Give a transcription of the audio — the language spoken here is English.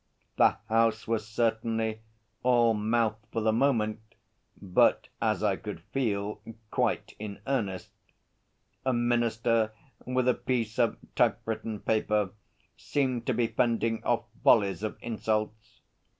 The House was certainly all mouth for the moment, but, as I could feel, quite in earnest. A Minister with a piece of typewritten paper seemed to be fending off volleys of insults.